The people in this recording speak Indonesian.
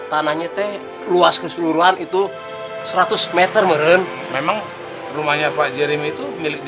tanahnya teh luas keseluruhan itu seratus meter meren memang rumahnya pak jiremi itu milik